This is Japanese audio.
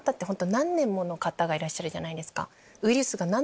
何年もの方がいらっしゃるじゃないですか。